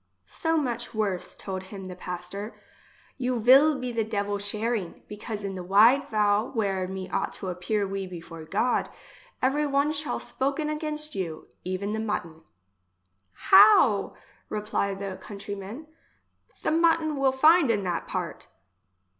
— So much worse, told him the pas tor ; you vill be the devil sharing ; because in the wide vale where me ought to appear we before God every one shall spoken against you, even the mutton. How ! repply the country man, the mutton will find in that part